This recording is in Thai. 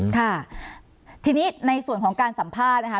ค่ะทีนี้ในส่วนของการสัมภาษณ์นะคะ